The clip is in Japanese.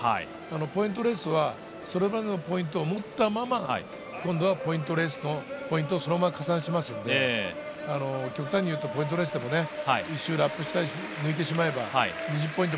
ポイントレースはそれまでのポイントを持ったまま、今度はポイントレースのポイントを加算しますので、極端にいうとポイントレースで１周ラップ、抜いてしまえば２０ポイント